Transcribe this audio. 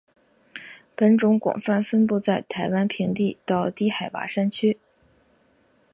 本种广泛分布在台湾平地到低海拔山区。